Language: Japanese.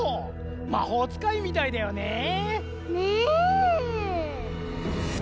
まほうつかいみたいだよね。ね！